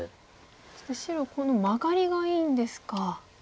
そして白このマガリがいいんですか。